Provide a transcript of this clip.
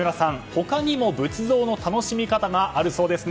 他にも仏像の楽しみ方があるそうですね。